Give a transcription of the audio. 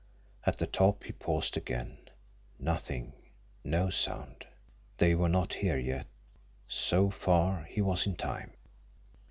At the top he paused again. Nothing no sound! They were not here yet so far he was in time!